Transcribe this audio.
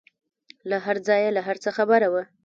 له هرځايه له هرڅه خبره وه.